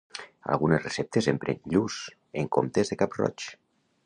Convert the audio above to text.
Algunes receptes empren lluç en comptes de cap-roig.